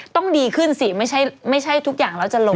ต้องดีขึ้นสิไม่ใช่ทุกอย่างแล้วจะล้ม